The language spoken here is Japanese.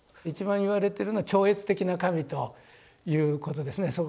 一番言われてるのは超越的な神ということですね。